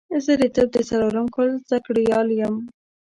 زه د طب د څلورم کال زده کړيال يم